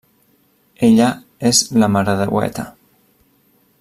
Ella és la Maredeueta.